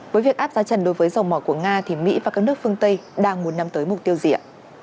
với việc áp giá trần đối với dầu mỏ của nga thì mỹ và các nước phương tây đang muốn nhắm tới mục tiêu gì ạ